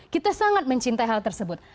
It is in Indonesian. kita sangat mencintai hal tersebut